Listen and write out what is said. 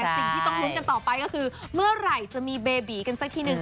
สิ่งที่ต้องลุ้นกันต่อไปก็คือเมื่อไหร่จะมีเบบีกันสักทีนึง